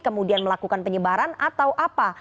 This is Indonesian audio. kemudian melakukan penyebaran atau apa